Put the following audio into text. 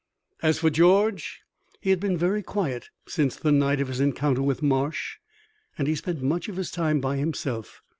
As for George, he had been very quiet since the night of his encounter with Marsh, and he spent much of his time by himself.